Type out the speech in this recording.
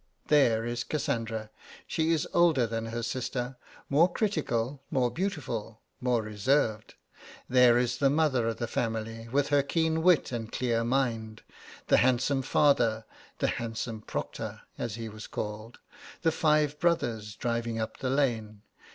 There is Cassandra. She is older than her sister, more critical, more beautiful, more reserved. There is the mother of the family, with her keen wit and clear mind; the handsome father 'the handsome proctor,' as he was called; the five brothers, driving up the lane.